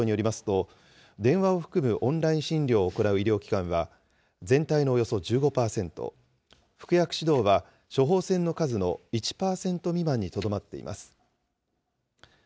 ただ、厚生労働省によりますと、電話を含むオンライン診療を行う医療機関は、全体のおよそ１５％、服薬指導は処方箋の数の１％未満にとどまっています。